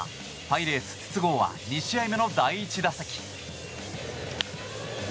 パイレーツ、筒香は２試合目の第１打席。